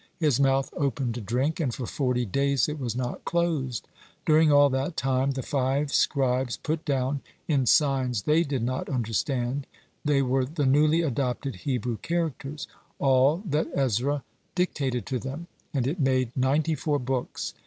His mouth opened to drink, and for forty days it was not closed. During all that time, the five scribes put down, "in signs they did not understand," they were the newly adopted Hebrew characters, all that Ezra dictated to them, and it made ninety four books.